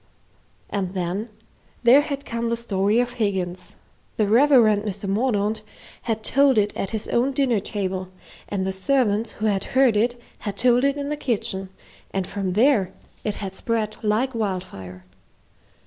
And then there had come the story of Higgins. The Reverend Mr. Mordaunt had told it at his own dinner table, and the servants who had heard it had told it in the kitchen, and from there it had spread like wildfire.